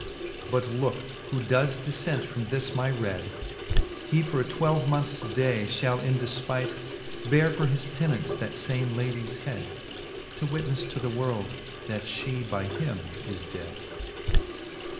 But looke who does diflent from this my read, He for a twelve moneths day fhall in defpight Beare for his penaunce that fame ladies head; To witnefle to the worlde, that fhe by him is dead.